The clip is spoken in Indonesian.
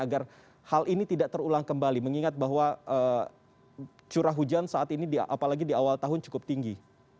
agar hal ini tidak terulang kembali mengingat bahwa curah hujan saat ini apalagi di awal tahun cukup tinggi